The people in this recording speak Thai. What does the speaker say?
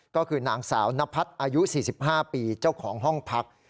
ก็คือนางสาวนพัฒน์อายุ๔๕ปีเจ้าของห้องพัก